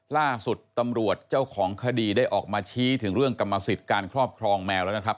ล่าสุดตำรวจเจ้าของคดีได้ออกมาชี้ถึงเรื่องกรรมสิทธิ์การครอบครองแมวแล้วนะครับ